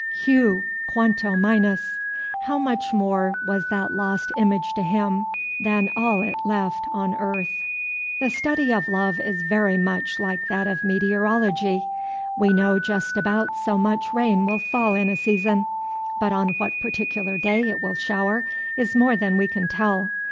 Heu, quanto minus! How much more was that lost image to him than all it left on earth! The study of love is very much like that of meteorology. We know that just about so much rain will fall in a season; but on what particular day it will shower is more than we can tell.